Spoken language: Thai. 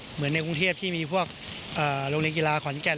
เหมือนในกรุงเทพที่มีพวกโรงเรียนกีฬาขอนแก่น